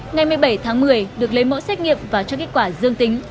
ngày một mươi bảy tháng một mươi được lấy mẫu xét nghiệm và cho kết quả dương tính